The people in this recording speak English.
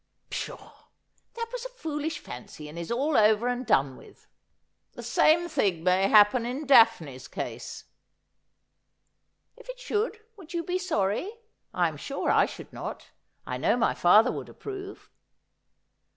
' Pshaw ! That was a foolish fancy, and is all over and done with.' ' The same thing may happen in Daphne's case.' ' If it should, would you be sorry ? I am sure I should not. I know my father would approve.'